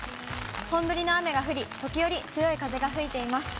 本降りの雨が降り、時折強い風が吹いています。